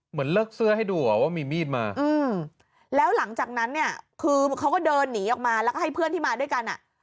เหมือนเลิกเสื้อให้ดูอ่ะว่ามีมีดมาแล้วหลังจากนั้นเนี่ยคือเขาก็เดินหนีออกมาแล้วก็ให้เพื่อนที่มาด้วยกันอ่ะ